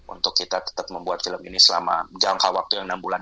untuk kita tetap membuat film ini selama jangka waktu yang enam bulan